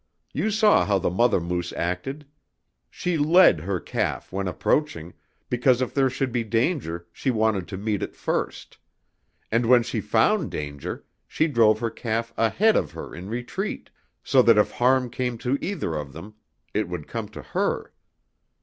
You saw how the mother moose acted. She led her calf when approaching, because if there should be danger she wanted to meet it first; and when she found danger she drove her calf ahead of her in retreat, so that if harm came to either of them it would come to her.